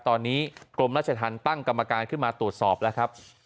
ตอนนี้กรมราชธรรมตั้งกรรมการขึ้นมาตรวจสอบแล้วครับ